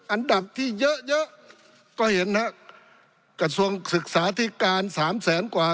อันดับที่เยอะเยอะก็เห็นฮะกระทรวงศึกษาธิการสามแสนกว่า